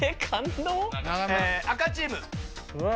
赤チーム。